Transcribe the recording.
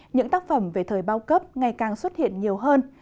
những tác phẩm về thời bao cấp ngày càng xuất hiện nhiều hơn